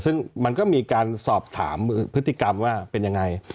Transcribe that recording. ซึ่งมันก็มีการสอบถามพฤติกรรมว่าเป็นยังไง